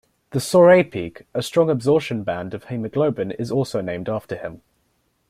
The Soret peak, a strong absorption band of hemoglobin is also named after him.